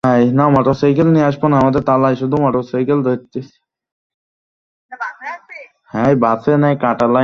আয়, বাবা।